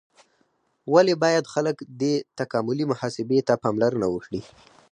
ولې باید خلک دې تکاملي محاسبې ته پاملرنه وکړي؟